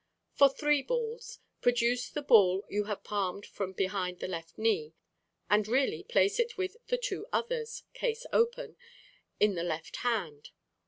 For three balls: Produce the ball you have palmed from behind the left knee, and really place it with the two others (case open) in the left hand.